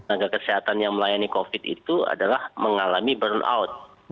agar kesehatan yang melayani covid itu adalah mengalami burnout